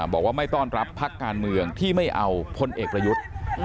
บอกว่าไม่ต้อนรับพักการเมืองที่ไม่เอาพลเอกประยุทธ์